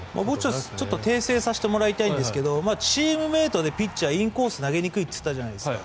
訂正させてもらいたいんですけどチームメートでピッチャーはインコース投げにくいと言ったじゃないですか。